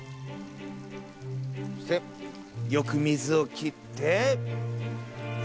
そしてよく水を切って参拝！